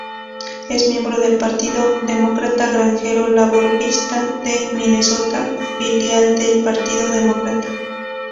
Es miembro del Partido Demócrata-Granjero-Laborista de Minnesota, filial del Partido Demócrata.